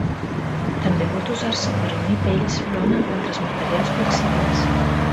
També pot usar-se per a unir pells, lona o altres materials flexibles.